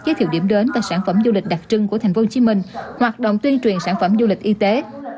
giới thiệu điểm đến và sản phẩm du lịch đặc trưng của tp hcm hoạt động tuyên truyền sản phẩm du lịch y tế